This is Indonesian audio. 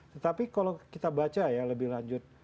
tetapi kalau kita baca ya lebih lanjut